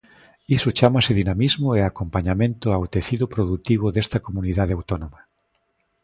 Iso chámase dinamismo e acompañamento ao tecido produtivo desta comunidade autónoma.